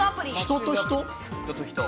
人と人。